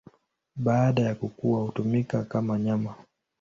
Baada ya kukua hutumika kama nyama.